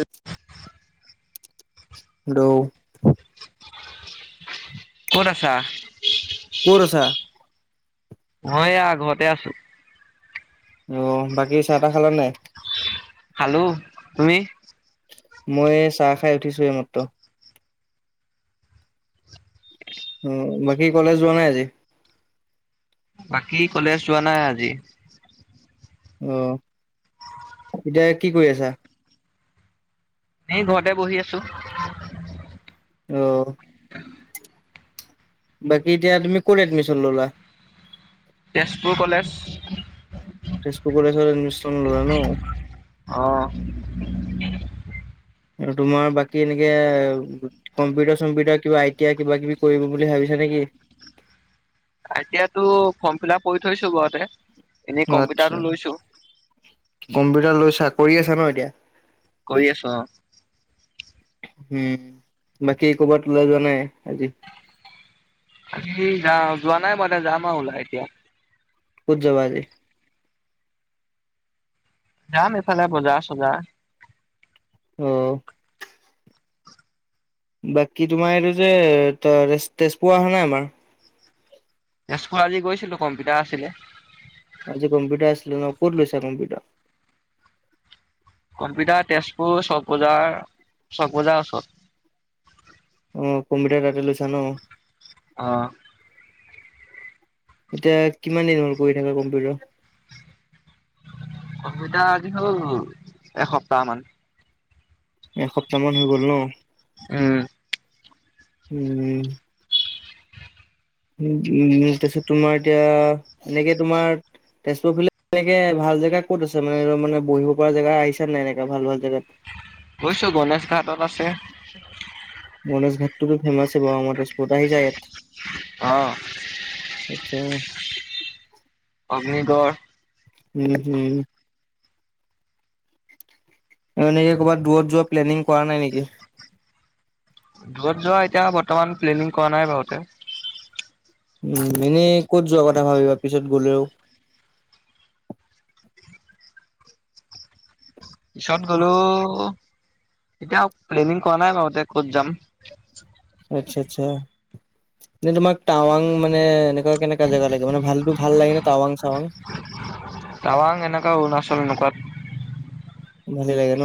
এই [unintelligible] দৌ ক'ত আছা কত আছা মই এইয়া ঘৰতে আছো অ বাকী চাহ তাহ খালা নাই খালো তুমি মই চাহ খাই উঠিছো এইমাত্ৰ। উ বাকী কলেজ যোৱা নাই আজি। কী কলেজ যোৱা নাই আজি? অহ, এতিয়া কি কই আছা। এই ঘৰতে বহি আছো। অ'। [inaudible] বাকী এতিয়া তুমি ক'ত এডমিছন ললা? তেজপুৰ কলেজ। তেজপুৰ কলেজত এডমিশ্যন ল'লা ন? অহ। আৰু তোমাৰ বাকী এনেকে কম্পিউটাৰ-চম্পিউটাৰ কিবা আই টি আই কিবা কিবি কৰিব বুলি ভাবিছা নেকি? আই টি আইটো ফৰ্ম ফিলআপ কৰি থৈছো ঘৰতে। এনেই আচ্ছা কম্পিউটাৰটো লৈছো, কম্প লৈচা কৰি আছা ন এতিয়া কৰি আছো অ'। উম, বাকী ক'বাত ওলাই যোৱা নাই আজি। আজি যোৱা নাই মই, যাম আৰু ওলাই এতিয়া। ক'ত যাবা আজি? যাম এইফালে বজাৰ চজাৰ। অঁ বাকী তোমাৰ এইটো যে তেজপুৰ অহা নাই আমাৰ। [unintelligible] আজি গৈছিলো কম্পিউটাৰ আছিলে। [unintelligible] ' ক'ত লৈছা কম্পিউটা। কম্পিউটাৰ, তেজপুৰ চকবজাৰ, চকবজাৰ ওচৰত। অ', কম্পিউটাৰ তাতে লৈছা ন? অ'। এতিয়া কিমান দিন হ'ল কৰি থাকা কম্পিউটাৰ? কম্পিউটাৰ আজি হ'ল এসপ্তাহ মান। এসপ্তাহ মান হৈ গ'ল ন উম। উম। উ উ তাৰপিছত তোমাৰ এতিয়া এনেকে তোমাৰ [unintelligible] তোমাৰ এতিয়া, তেনেতে তোমাৰ, তেজপুৰ ফালে তেনেকে ভাল জেগা ক'ত আছে, মানে বহিব পৰা জেগা আহিছানে নাই। এনেককাে ভাল ভাল জেগাত। গইছোঁ গণেশ ঘাটত আছে। গণেশ ঘাট টো মোৰ ফেৰ্মাচ। লোৱা মতে স্পট আহি যায় ইয়াত, অ'। আচ্ছা। অগ্নিগড় উম, হম। এনেকে ক'ৰবাত দূৰত যোৱা প্লেনিং কৰা নাই নেকি? দূৰত যোৱা এতিয়া বৰ্তমান প্লেনিং কৰা নাই বাৰু এতিয়া। উ এনেই ক'ত যোৱা কথা ভাবিবা পিছত গলেও। পিছত গ'লো এতিয়া প্লেনিং কৰা নাই বাওঁ ক'ত যাম আচ্ছা আচ্ছা তোমাক টাৱাং মানে এনেকুৱা কেনেকুৱা জেগা লাগে। মানে ভালটো ভাল লাগে নে? টাৱাং চাৱাং। টাৱাং এনেকুৱা, অৰুণাচল এনেকুৱাত। ভালেই লাগে ন।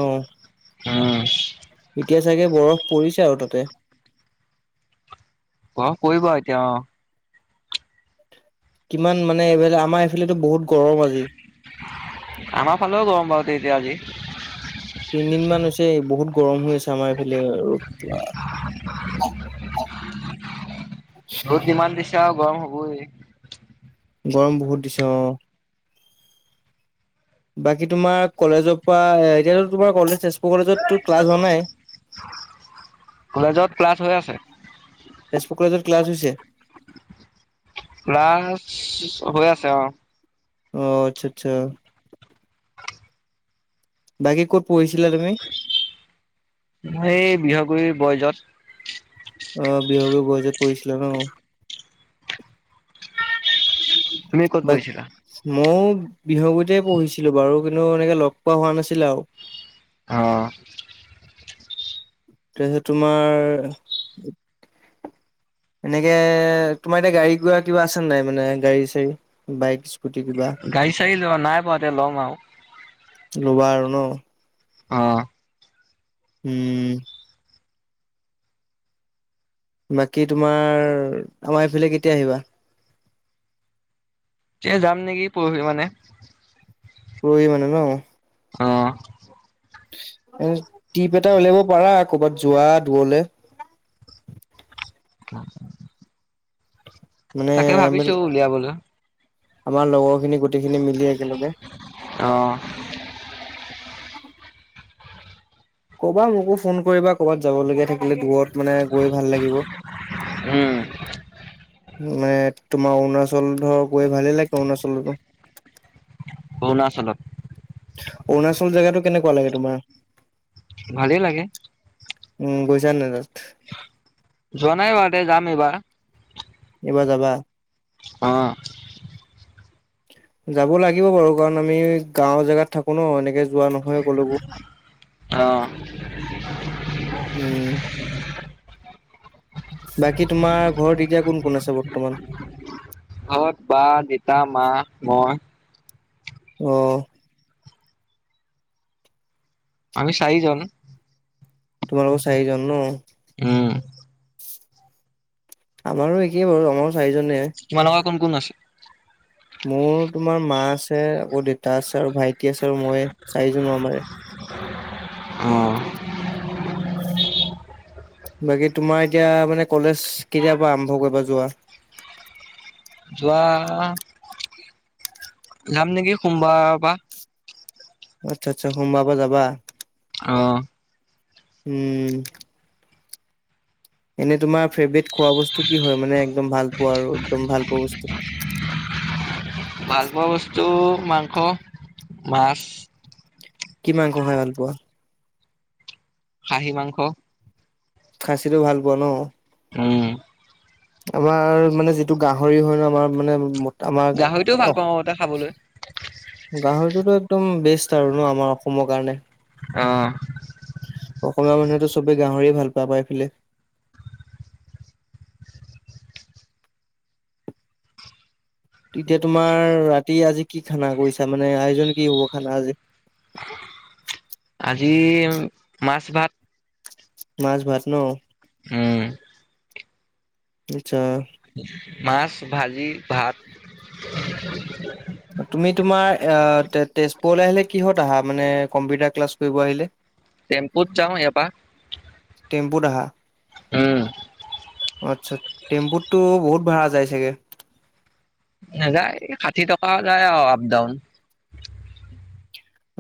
উম [inaudible] এতিয়া চাগে বৰফ পৰিছে আৰু তাতে। গৰম পৰিব এতিয়া, অ কিমান মানে, এইফালে, আমাৰ এইফালেটো বহুত গৰম আাজি। আমাৰ ফালেও গৰম বাৰু, তেন্তে আজি। তিনদিন মান হৈছে। বহুত গৰম হৈ আছে আমাৰ এইফালে আৰু পুৱা। ৰ'দ কিমান দিছ এতিয়া আৰু গৰম হ'বই। গৰম বহুত দিছে, অ বাকী, তোমাৰ কলেজৰ পৰা। এতিয়াতো তোমাৰ কলেজ, তেজপুৰ কলেজতটো ক্লাছ হোৱা নাই। কলেজত ক্লাছ হৈ আছে? তেজপুৰ কলেজত ক্লাছ হৈছে। ক্লাছ হৈ আছে অ অ', আচ্ছা, আচ্ছা। বাকী ক'ত পঢ়িছিলা, তুমি? মই, এই বৃহগুৰি বইচত। তে পহিছিলা ন? তুমি ক'ত পঢ়িছিলা [unintelligible] মও বিহগুতে পঢ়িছিলো বাৰু, কিন্তু এনেকে লগ পোৱা হোৱা নাছিলে আৰু। অ'। তেন্তে তোমাৰ এনেকে, তোমাৰ এতিয়া গাড়ী-ঘোৰা কিবা আছে নাই মানে, গাড়ী-চাড়ী, বাইক? স্কুটি কিবা গাড়ী-চাড়ি লোৱা নাই বাও এতিয়া, ল'ম আও। ল'বা আৰু ন। অ'। উম। বাকী তোমাৰ, আমাৰ এইফালে কেতিয়া আহিবা? [unintelligible] যাম নেকি, পৰহি মানে। পৰহি মানে, ন? অ'। এ টিপ এটা উলিয়াব পাৰা, কৰ'বাত যোৱা দুৱলে? [unintelligible] মানে তাকে আমি ভাবিছোঁ, উলিয়াবলৈ। আমাৰ লগত। [unintelligible] গোটেইখিনি মিলি একেলগে। অ [inaudible] [unintelligible] ক'বা মোকো, ফোন কৰিবা, কৰ'বাত যাব লগীয়া থাকি মানে দূৰত মানে, গৈ ভাল লাগিব। উম, মানে তোমাৰ অৰুণাচল, ধৰ, গৈ ভালেই লাগিব, অৰুণাচলতো। অৰুণাচলত। অৰুণাচল জেগাতটো কেনেকুৱা লাগে তোমাৰ? ভালেই লাগে। উম, গৈছা নাই তাত? যোৱা নাই বাৰু এতিয়া, যাম এইবাৰ। এইবাৰ যাবা? অ'। যাব লাগিব বাৰু কাৰণ, আমি গাঁওৰ জেগাত থাকো ন, এনেকে যোৱা নহয় কলৈকো। অ, উম। বাকী তোমাৰ ঘৰত এতিয়া, কোন কোন আছে বৰ্তমান। ঘৰত বা, দেতা, মা, মই অ'। আমি চাৰিজন। তোমালোকৰ চাৰিজন, ন? উম, আমাৰো একেই বাৰু, আমাৰো চাৰিজনেই। তোমালোকৰ কোন কোন আছে? মোৰ তোমাৰ মা আছে আকৌ দেউতা আছে আৰু ভাইটি আছে আৰু মই, চাৰিজনো আমাৰে। উম। বাকী তোমাৰ এতিয়া মানে কলেজ কেতিয়াৰ পৰা আৰম্ভ কৰিবা যোৱা? যোৱা, যাম নেকি সোমবাৰৰ পা। আচ্ছা, আচ্ছা সোমাবাৰৰ পা যাবা। অ'। উম। এনেই তোমাৰ ফেভৰেট খোৱা বস্তু কি হয় মানে একদম ভাল পোৱা আৰু একদম ভাল পোৱা বস্তু। ভালপোৱা বস্তু মাংস, মাছ। কি মাংস খাই ভালপোৱা? খাহি মাংস। খাচিটো ভাল পোৱা ন'? উম। আমাৰ মানে যিটো গাহৰি হয় ন' আমাৰ মানে আমাৰ গাহৰিটোও ভাল পাওঁ আগতে খাবলৈ। [inaudible] গাহৰিটো একদম বেষ্ট। আৰু আমাৰ অসমৰ কাৰণে। অ, অসমীয়া মানুহেতো চবে গাহৰি ভাল পাই আমাৰ এইফালে। এতিয়া তোমাৰ ৰাতি আজি কি খানা কৰিছা মানে আয়োজন কি হ'ব খানা আজি? আজি মাছ ভাত। মাছ ভাত ন'? হম্। আচ্ছা। মাছ, ভাজি, ভাত। তুমি তোমাৰ এ তে তেজপুৰলৈ আহিলে কিহঁত আহা? মানে কম্পিউটাৰ ক্লাছ কৰিব আহিলে। টেম্পুত যাওঁ ইয়াৰ পা। টেম্পুত আহা? উম। আচ্ছা, টেম্পুতটো বহুত ভড়া যায় চাগে? নাযায় ষাঠি টকা মান যায় আৰু আপ ডাউন।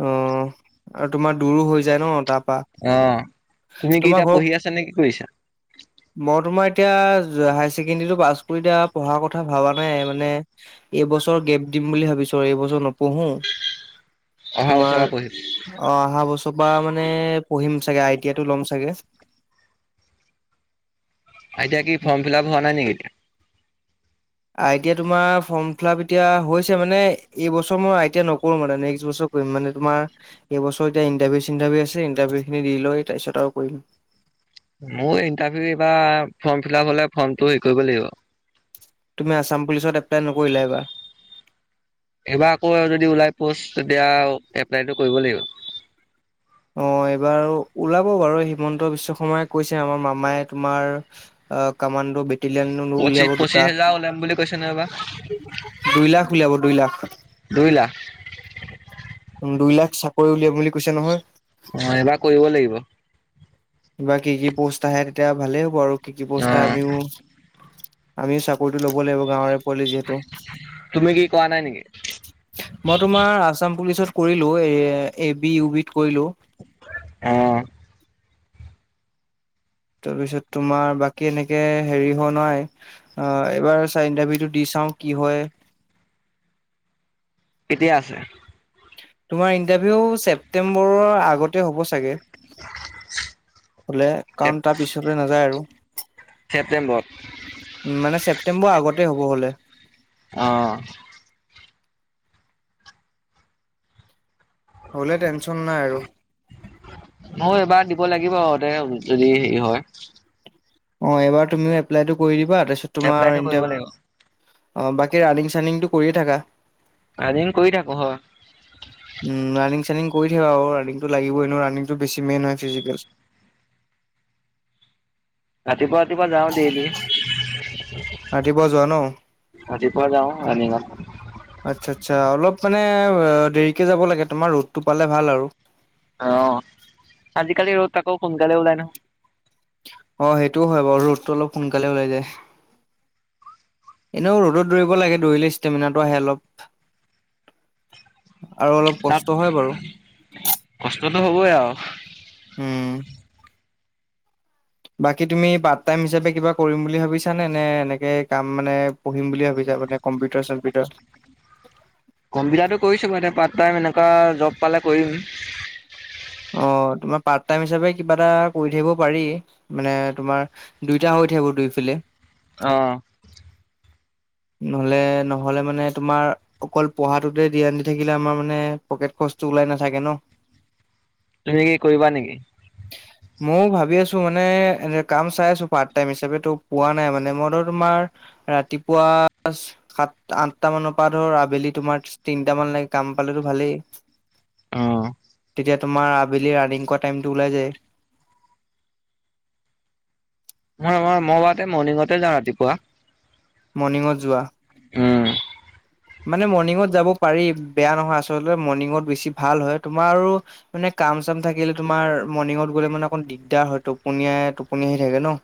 অ', আৰু তোমাৰ দূৰো হৈ যায় ন' তাৰ পৰা অ', তুমি কি তোমাৰ এতিয়া ঘৰ পঢ়ি আছা নে কি কৰিছা? মই তোমাৰ এতিয়া হায় ছেকেণ্ডৰীতো পাছ কৰি এতিয়া পঢ়াৰ কথা ভবা নাই মানে এইবছৰ গেপ দিম বুলি ভাবিছো এইবছৰ নপঢ়ো। অহা বছৰ তোমাৰ পৰা পঢ়িম অ', অহা বছৰ পৰা মানে পঢ়িম। চাগে আই টি আই টো ল'ম চাগে। [unintelligible] কি ফৰ্ম ফিলাপ হোৱা নাই নিকি? আই টি আই তোমাৰ ফ'ৰ্ম ফিল আপ এতিয়া হৈছে মানে এইবছৰ মই আই টি আই নকৰোঁ মানে নেক্সট বছৰ কৰিম মানে তোমাৰ এইবছৰ এতিয়া ইণ্টাৰভিউ চিন্তাৰভিউ আছে ইণ্টাৰভিউখিনি দি লৈ তাৰপিছত আৰু কৰিম। মোৰ ইণ্টাৰভিউ এইবাৰ ফৰ্ম ফিলাপ হ'লে ফৰ্মটো হেৰী কৰিব লাগিব। তুমি আছাম পুলিচত এপ্লাই নকৰিলা এবাৰ? এইবাৰ আকৌ যদি ওলাই প'ষ্ট তেতিয়া এপ্লাইটো কৰিব লাগিব। অ', এইবাৰ ওলাব বাৰু হিমন্ত বিশ্ব শৰ্মাই কৈছে আমাৰ মামাই তোমাৰ আ, কামান ডো বেটেলিয়ান পঁচিশ উলিয়াব পঁচিশ দুটা, হেজাৰ ওলাম বুলি কৈছে নহয় এইবাৰ দুই লাখ উলিয়াব দুই লাখ। দুই লাখ দুই লাখ চাকৰি উলিয়াম বুলি কৈছে নহয় অ', এবাৰ কৰিব লাগিব। [unintelligible] কি কি প'ষ্ট আহে, তেতিয়া ভালেই হ'ব আৰু কি কি অ পোষ্ট আহে আমিও আমি চাকৰিটো ল'ব লাগিব গাঁৱৰে [unintelligible] যিহেতু, তুমি কি কৰা নাই নেকি? মই তোমাৰ আছাম পুলিচত কৰিলোঁ অ', A, A- B, U- B ত কৰিলোঁ। অ' তাৰপিছত তোমাৰ বাকী এনেকে হেৰি হোৱা নাই, আ এইবাৰ চাৰ ইন্টাৰভিউটো দি চাওঁ, কি হয় কেতিয়া আছে? তোমাৰ ইণ্টাৰভিউ ছেপ্তেম্বৰৰ আগতে হ'ব চাগে হলে, কাৰণ তাৰ পিছলৈ নাযায় আৰু। ছেপ্তেম্বৰত উ মানে ছেপ্তেম্বৰৰ আগত [inaudible] অ' হ'লে টেনচন নাই আৰু। ময়ো [unintelligible] যদি হেৰি হয় অ', এইবাৰ তুমিও এপ্লাইটো কৰি দিবা তাৰছত তোমাৰ এপ্লাইটো কৰিব ইণ্টাৰ লাগিব। অ' বাকী ৰানিং চানিংটো কৰিয়ে থাকা ৰানিং কৰি থাকো হ উম ৰানিং কৰি থাকা আৰু ৰাংটো লাগিবই ৰাংটো বেছি মেইন হয় ফিজিকেল ৰাতিুৱা ৰাতিপুৱা যাওঁ দেলি যোৱা ন ৰাতিপুৱা যাওঁ ৰানিঙত আচ্ছা আচ্ছা অলপ মানে দেৰিকে যাব লাগে তোমাৰ ৰ'দটো পালে ভাল আৰু অ আজিকালি ৰ'দ আকৌ সোনকালে ওলাই ন অ' সেইটোও হয় বাৰু ৰ'দটো অলপ সোনকালে ওলাই যায় এনেও ৰ'দত দৌৰিব লাগে দৌৰিলে ষ্টেমিনাটো আহে অলপ আৰু অলপ তাত কষ্ট হয় বাৰু কষ্টটো হ'বই আৰু উম! বাকী তুমি পাৰ্ট টাইম হিচাপে কিবা কৰিম বুলি ভাবিছা নে নে এনেকে কাম মানে পঢ়িম বুলি ভাবিছা মানে কম্পিটাৰ চম্পিউটাৰ কম্পিউটাৰটো কৰিছো মানে পাৰ্ট টাইম এনেকুৱা জব পালে কৰিম অ' তোমাৰ পাৰ্ট টাইম হিচাপে কিবা এটা কৰি থাকিব পাৰি মানে তোমাৰ দুইটা হৈ থাকিব দুইফালে আহ নহলে নহ'লে মানে তোমাৰ অকল পঢ়াটোতে ধ্যান দি থাকিলে আমাৰ মানে পকেট খৰচটো ওলাই নাথাকে ন তুমি কি কৰিবা নেকি ময়ো ভাবি আছোঁ মানে এ, কাম চাই আছোঁ পাৰ্ট টাইম হিচাপে ত' পোৱা নাই মানে মইতো তোমাৰ ৰাতি পুৱা সাত, আঠটা মানৰ পৰা ধৰ আবেলি তোমাৰ তিনটামানলে কাম পালেতো ভালেই। অ'। এতিয়া তোমাৰ আবেলি ৰানিং কৰা টাইমটো ওলাই যায়। ম-মই মাতে মৰ্ণিঙতে যাওঁ ৰাতিপুৱা। মৰ্ণিঙত যোৱা। উম। মানে মৰ্ণিঙত যাব পাৰি বেয়া নহয় আচলতে মৰ্ণিঙত বেছি ভাল হয়, তোমাৰো মানে কাম চাম থাকিলে তোমাৰ মৰ্ণিঙত গ'লে মানে অকণ দিগদাৰ হয়, টোপনিয়াই টোপনিয়াই থাকে ন'।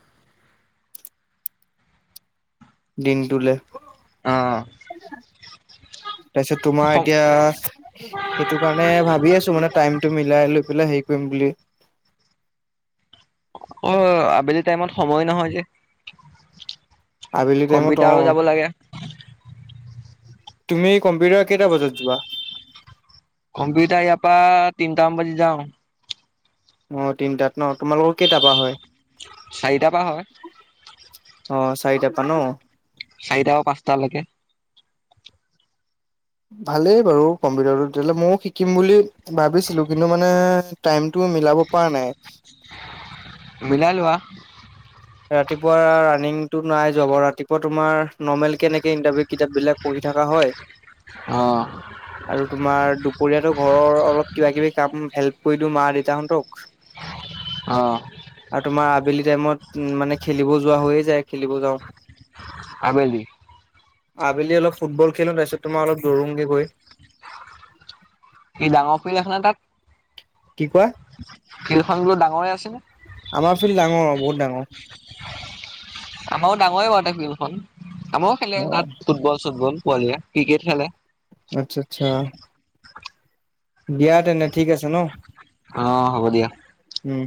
দিনটোলে। অ' তাৰপিছত তোমাৰ এতিয়া, সেইটো কাৰণে ভাবি আছোঁ মানে টাইমটো মিলাই লৈ পেলাই হেৰি কৰিম বুলি। অ', আবেলি টাইমত সময় নহয় যে। আবেলি টাইমত অ কম্পিউটাৰো যাব লাগে। তুমি কম্পিউটাৰ কেইটা বজাত যোৱা? কম্পিউতাৰ ইয়াৰ পা তিনটামান বাজি যাওঁ। অ', তিনটাত ন' তোমালোকৰ কেইটাৰ পা হয়? চাৰিটাৰ পৰা হয় অ', চাৰিটা পা ন'। চাৰিটা পা পাঁচটালৈকে। ভালেই বাৰু কম্পিউটাৰটো তেতিয়াহ'লে ময়ো শিকিম বুলি ভাবিছিলোঁ কিন্তু মানে টাইমটো মিলাব পাৰা নাই। মিলাই লোৱা। ৰাতিপুৱা ৰানিংটো নাই যোৱা বাৰ ৰাতিপুৱা তোমাৰ নৰ্মেল কেনেকে ইন্টাৰভিউ কিতাপবিলাক পঢ়ি থাকা হয়। অ' আৰু তোমাৰ দুপৰীয়াটো ঘৰৰ অলপ কিবা কিবি কাম হেল্প কৰি দিওঁ মা দেতাহঁন্তক। অ'। আৰু তোমাৰ আবেলি টাইমত উম, মানে খেলিব যোৱা হৈয়ে যায়, খেলিব যাওঁ। আবেলি। আবেলি অলপ ফুটবল খেলোঁ তাৰপিছত তোমাৰ অলপ দৌৰোগে গৈ। কি ডাঙৰ ফিল্ড আছেনে তাত? কি কয়? ফিলখন বোলো ডাঙৰে আছেনে? আমাৰ ফিল্ড ডাঙৰ, বহুত ডাঙৰ। আমাৰো ডাঙৰে [unintelligible] ফিল্ডখন। আমাৰো খেলে অ তাত ফুটবল, চুটবল। পোৱালিয়ে ক্ৰিকেট খেলে। আচ্ছা, আচ্ছা। দিয়া তেনে ঠিক আছে ন? অ', হ'ব দিয়া। উম।